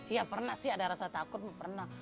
ya pernah sih ada rasa takut pernah